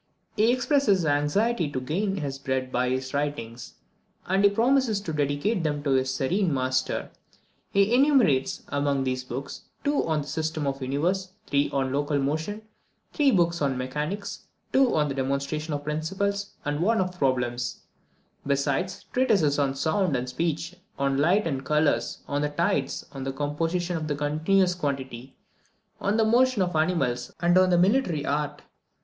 He expresses his anxiety to gain his bread by his writings, and he promises to dedicate them to his serene master. He enumerates, among these books, two on the system of the universe, three on local motion, three books of mechanics, two on the demonstration of principles, and one of problems; besides treatises on sound and speech, on light and colours, on the tides, on the composition of continuous quantity, on the motions of animals, and on the military art.